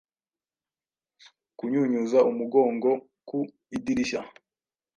Kunyunyuza umugongo ku idirishya